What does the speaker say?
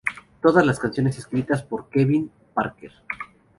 Todas las canciones escritas por "Kevin Parker".